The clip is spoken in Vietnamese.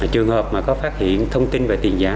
trường hợp mà có phát hiện thông tin về tiền giả